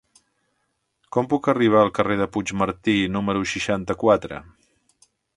Com puc arribar al carrer de Puigmartí número seixanta-quatre?